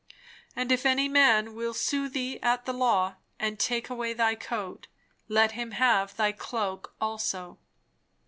And if any man will sue thee at the law and take away thy coat, let him have thy cloak also.